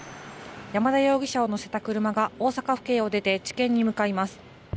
山田容疑者を乗せた車が、大阪府警を出て地検に向かいます。